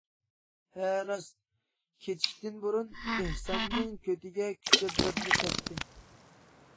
ھە راست، كېتىشتىن بۇرۇن ئېھساننىڭ كۆتىگە كۈچەپ بىرنى تەپتى.